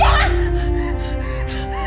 aku mau bangun